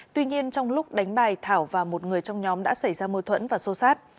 tuy nhiên trong lúc đánh bài thảo và một người trong nhóm đã xảy ra mâu thuẫn và xô xát